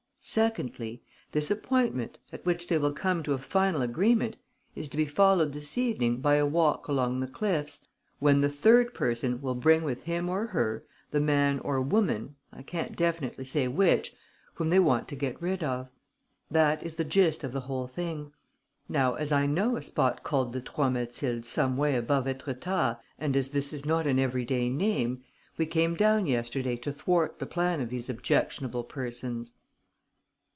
Secondly, this appointment, at which they will come to a final agreement, is to be followed this evening by a walk along the cliffs, when the third person will bring with him or her the man or woman, I can't definitely say which, whom they want to get rid of. That is the gist of the whole thing. Now, as I know a spot called the Trois Mathildes some way above Étretat and as this is not an everyday name, we came down yesterday to thwart the plan of these objectionable persons."